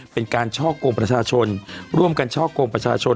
เป็นการช่อกงประชาชนร่วมกันช่อกงประชาชน